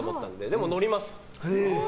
でも、乗ります。